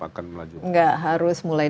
akan melaju enggak harus mulai